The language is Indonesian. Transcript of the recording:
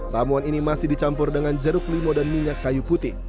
ramuan ini masih dicampur dengan jeruk limo dan minyak kayu putih